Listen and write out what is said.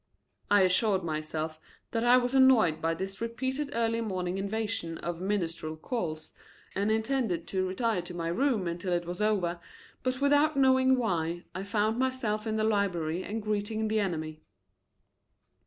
I assured myself that I was annoyed by this repeated early morning invasion of ministerial calls and intended to retire to my room until it was over, but without knowing why, I found myself in the library and greeting the enemy.